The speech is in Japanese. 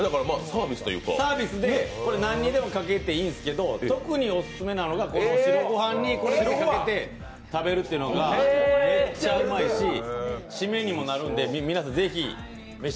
サービスで、何にでもかけていいんですけど、特にオススメなのが白ご飯にかけて食べるというのがめっちゃうまいし締めにもなるんで、皆さん是非。